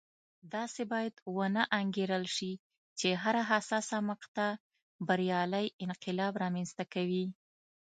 داسې باید ونه انګېرل شي چې هره حساسه مقطعه بریالی انقلاب رامنځته کوي.